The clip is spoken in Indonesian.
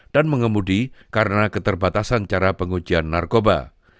dan mengemudi karena keterbatasan cara pengujian narkoba